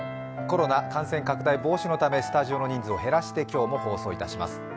コロナ感染拡大防止のためスタジオの人数を減らして今日も放送いたします。